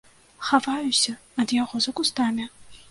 Хаваюся ад яго за кустамі.